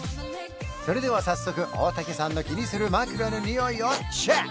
それでは早速大竹さんの気にする枕のにおいをチェック！